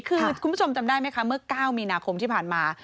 คือคุณผู้ชมจำได้ไหมคะเมื่อ๙มีนาคมที่ผ่านมา